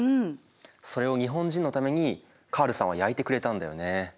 それを日本人のためにカールさんは焼いてくれたんだよね。